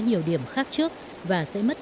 nhiều điểm khác trước và sẽ mất